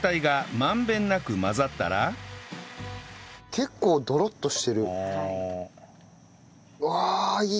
結構ドロッとしてる。